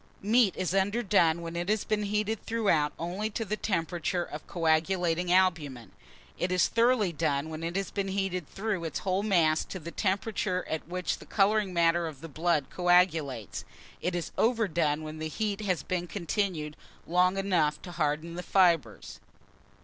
Meat is underdone when it has been heated throughout only to the temperature of coagulating albumen: it is thoroughly done when it has been heated through its whole mass to the temperature at which the colouring matter of the blood coagulates: it is overdone when the heat has been continued long enough to harden the fibres.